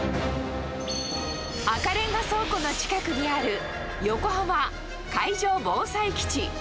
赤レンガ倉庫の近くにある横浜海上防災基地。